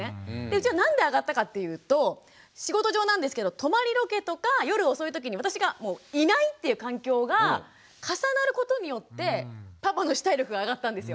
うちはなんで上がったかっていうと仕事上なんですけど泊まりロケとか夜遅いときに私がいないっていう環境が重なることによってパパの主体力が上がったんですよ。